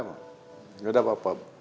gak ada apa apa